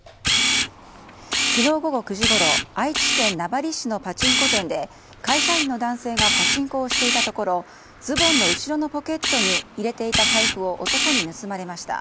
昨日午後９時ごろ愛知県名張市のパチンコ店で会社員の男性がパチンコをしていたところズボンの後ろのポケットに入れていた財布を男に盗まれました。